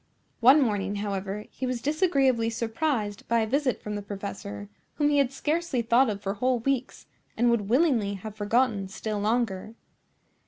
One morning, however, he was disagreeably surprised by a visit from the professor, whom he had scarcely thought of for whole weeks, and would willingly have forgotten still longer.